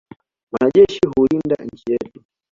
Wanajeshi hulinda nchi yetu.